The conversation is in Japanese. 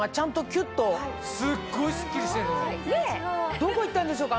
どこいったんでしょうか？